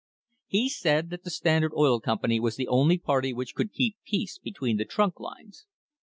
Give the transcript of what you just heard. He said that the Standard Oil Company was the only party which could keep peace between the trunk lines.